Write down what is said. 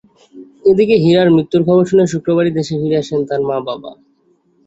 এদিকে হীরার মৃত্যুর খবর শুনে শুক্রবারই দেশে ফিরে আসেন তার মা-বাবা।